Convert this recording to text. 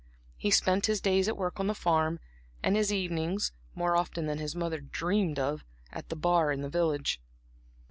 He spent his days at work on the farm, and his evenings, more often than his mother dreamed of, at the bar in the village.